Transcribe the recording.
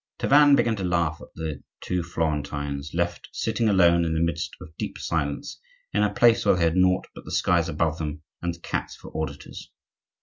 Tavannes began to laugh at the two Florentines, left sitting alone in the midst of deep silence, in a place where they had nought but the skies above them, and the cats for auditors.